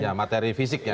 ya materi fisiknya